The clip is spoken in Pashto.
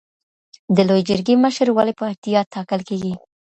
د لویې جرګي مشر ولي په احتیاط ټاکل کیږي؟